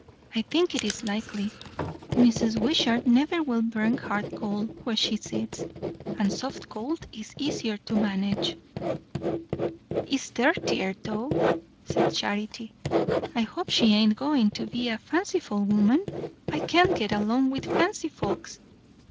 I think it is likely. Mrs. Wishart never will burn hard coal where she sits. And soft coal is easier to manage." "It's dirtier, though," said Charity. "I hope she ain't going to be a fanciful woman. I can't get along with fancy folks.